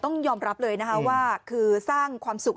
ต้องยอมรับเลยนะคะว่าคือสร้างความสุข